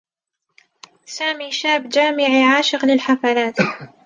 سامي شابّ جامعيّة عاشق للحفلات.